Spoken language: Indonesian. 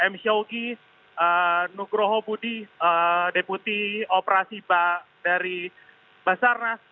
m syaogi nugroho budi deputi operasi dari basarnas